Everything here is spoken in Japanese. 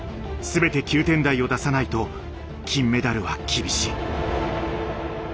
全て９点台を出さないと金メダルは厳しい。